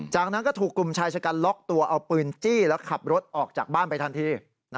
จากนั้นก็ถูกกลุ่มชายชะกันล็อกตัวเอาปืนจี้แล้วขับรถออกจากบ้านไปทันที